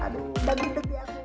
aduh bagi bagi aku